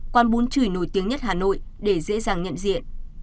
quán bún chửi nổi tiếng nhất hà nội để dễ dàng nhận diện